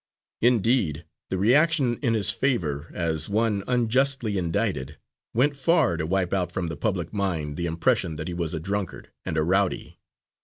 Indeed, the reaction in his favour as one unjustly indicted, went far to wipe out from the public mind the impression that he was a drunkard and a rowdy.